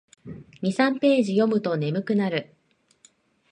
二三ページ読むと眠くなる